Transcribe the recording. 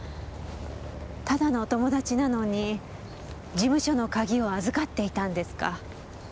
ただのお友達なのに事務所の鍵を預かっていたんですか。